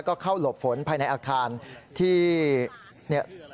ก็เข้าหลบฝนภายในอาคารที่เนี่ย